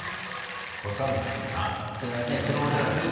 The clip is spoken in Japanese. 分からないもんな結論は出ないもんな。